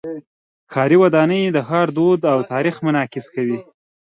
ښاري ودانۍ د ښار دود او تاریخ منعکس کوي.